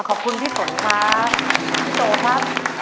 ขอบคุณพี่ฝนครับพี่โตครับ